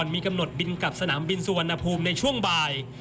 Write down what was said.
มีกำหนดบินกลับสนามบินสุวรรณภูมิในช่วงบ่าย